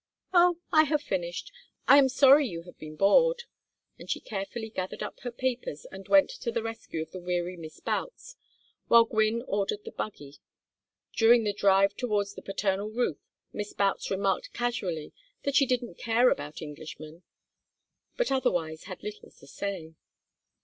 "Oh, I have finished. I am sorry you have been bored." And she carefully gathered up her papers and went to the rescue of the weary Miss Boutts, while Gwynne ordered the buggy. During the drive towards the paternal roof Miss Boutts remarked casually that she didn't care about Englishmen, but otherwise had little to say.